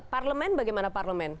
parlemen bagaimana parlemen